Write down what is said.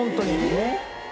えっ？